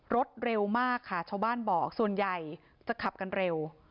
รถเร็วมากค่ะชาวบ้านบอกส่วนใหญ่จะขับกันเร็ว